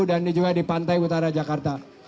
dan juga di pantai utara jakarta